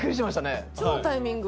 超タイミング。